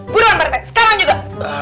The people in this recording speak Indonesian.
buruan pak rete sekarang juga